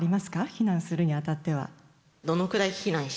避難するにあたっては。